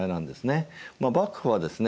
まあ幕府はですね